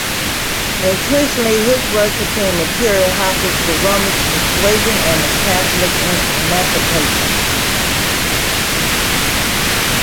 Increasingly his work contained material hostile to "the Romish persuasion" and Catholic emancipation.